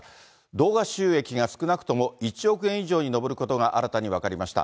動画収益が少なくとも１億円以上に上ることが新たに分かりました。